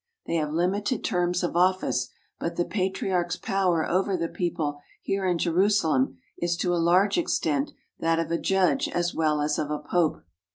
They have limited terms of office, but the Patriarch's power over the people here in Je rusalem is to a large extent that of a judge as well as of a pope.